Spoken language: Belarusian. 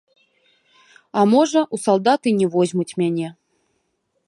А можа, у салдаты не возьмуць мяне.